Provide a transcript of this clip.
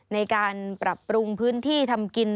ในการปรับปรุงพื้นที่ทำกิน